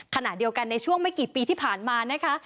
ขณะเดียวกันในช่วงไม่กี่ปีที่ผ่านมานะคะ